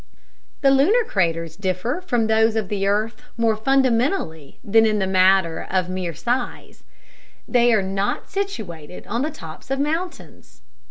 The lunar craters differ from those of the earth more fundamentally than in the matter of mere size; _they are not situated on the tops of mountains.